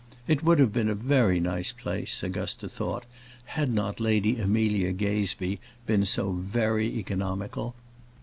It would have been a very nice place, Augusta thought, had not Lady Amelia Gazebee been so very economical.